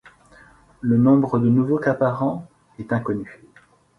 Le nombre de nouveaux cas par an est inconnu.